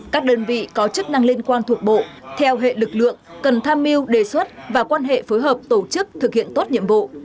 các đơn vị có chức năng liên quan thuộc bộ theo hệ lực lượng cần tham mưu đề xuất và quan hệ phối hợp tổ chức thực hiện tốt nhiệm vụ